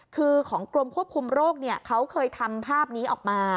คือของกรมควบคุมโรคเขาเคยทำภาพนี้ออกมา